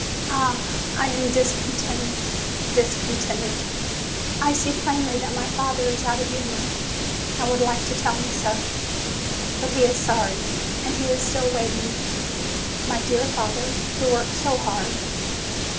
Ah, I am discontented, discontented! I see plainly that my father is out of humor, and would like to tell me so; but he is sorry, and he is still waiting. My dear father, who works so hard